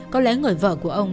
có lẽ người vợ của ông